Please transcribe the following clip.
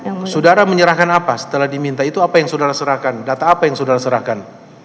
jadi saudara menyerahkan apa setelah diminta itu apa yang saudara serahkan data apa yang saudara serahkan